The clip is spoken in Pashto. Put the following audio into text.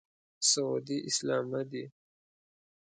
سعودي اسلامه دی.